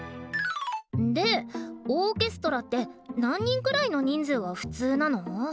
でオーケストラって何人くらいの人数が普通なの？